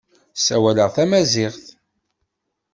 Ssawaleɣ tamaziɣt.